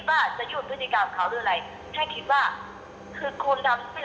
การทำอย่างงี้ไม่ค่าทุกคนเลยเนี้ยหนูก็เลยโทนไม่ไหว